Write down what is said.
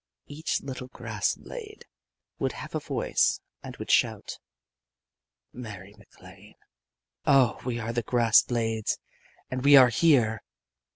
Each little grass blade would have a voice and would shout: _Mary MacLane, oh, we are the grass blades and we are here!